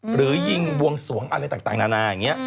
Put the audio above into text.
หรือยิงบวงสวงอะไรต่างนานาอย่างนี้